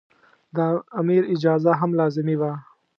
د امیر اجازه هم لازمي وه.